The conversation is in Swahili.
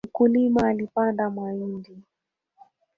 Mkulima alipanda mahindi.